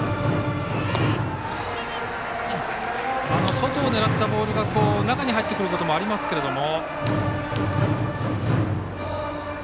外を狙ったボールが中に入ってくることもありますけれども。